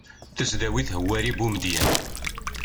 tasdawit hwari bumedyen